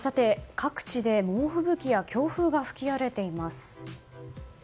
各地で猛吹雪や強風が吹き荒れています。